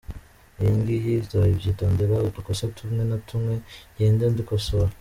iyi ngiyi nzabyitondera udukosa tumwe na tumwe ngende ndukosora.